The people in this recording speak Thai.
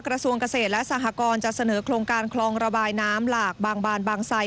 กระทรวงเกษตรและสหกรณ์จะเสนอโครงการคลองระบายน้ำหลากบางบานบางไซ